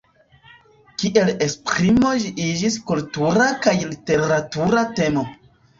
Kiel esprimo ĝi iĝis kultura kaj literatura temo.